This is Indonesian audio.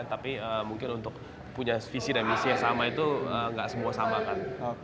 tapi mungkin untuk punya visi dan misi yang sama itu nggak semua sama kan